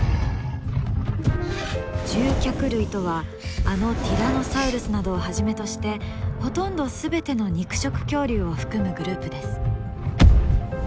獣脚類とはあのティラノサウルスなどをはじめとしてほとんど全ての肉食恐竜を含むグループです。